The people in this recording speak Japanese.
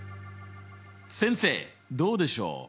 先生どうでしょう？